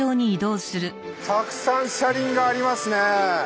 たくさん車輪がありますね！